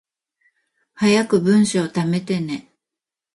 早く文章溜めてね